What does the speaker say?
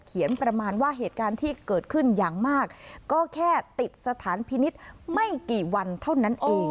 ประมาณว่าเหตุการณ์ที่เกิดขึ้นอย่างมากก็แค่ติดสถานพินิษฐ์ไม่กี่วันเท่านั้นเอง